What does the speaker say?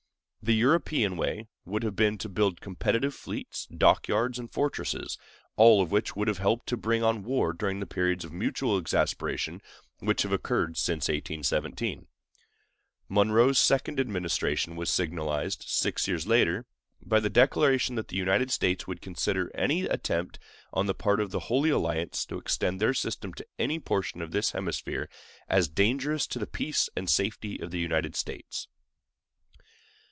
The European way would have been to build competitive fleets, dock yards, and fortresses, all of which would have helped to bring on war during the periods of mutual exasperation which have occurred since 1817. Monroe's second administration was signalized, six years later, by the declaration that the United States would consider any attempt on the part of the Holy Alliance to extend their system to any portion of this hemisphere as dangerous to the peace and safety of the United States.